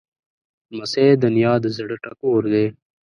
لمسی د نیا د زړه ټکور دی.